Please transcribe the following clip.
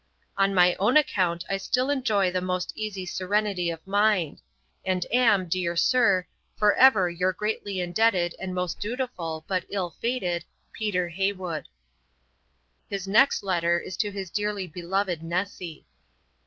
On my own account I still enjoy the most easy serenity of mind; and am, dear Sir, for ever your greatly indebted and most dutiful, but ill fated, 'PETER HEYWOOD.' His next letter is to his dearly beloved Nessy.